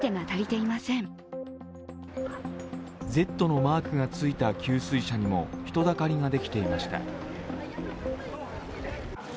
「Ｚ」のマークがついた給水車にも人だかりができていました。